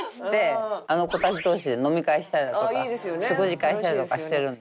あの子たち同士で飲み会したりだとか食事会したりとかしてるんで。